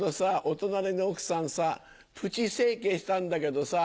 隣の奥さんさプチ整形したんだけどさ